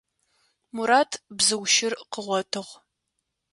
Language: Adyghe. Мурат бзыу щыр къыгъотыгъ.